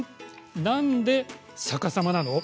なんで逆さまなの？